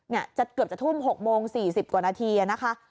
เกือบจะทุม๑๐๔๐นะคะ